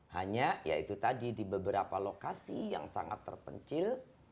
hanya ya itu tadi di beberapa lokasi yang sangat terpencil